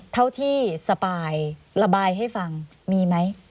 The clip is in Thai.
เท่าที่สปายระบายให้ฟังมีไหม